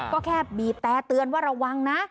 ก็แค่บีบแต่เตือนว่าระวังนะ